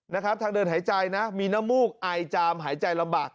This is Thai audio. ทางเดินหายใจนะมีน้ำมูกไอจามหายใจลำบาก